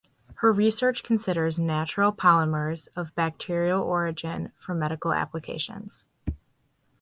Her research considers natural polymers of bacterial origin for medical applications.